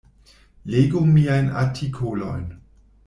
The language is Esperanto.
Legu miajn artikolojn.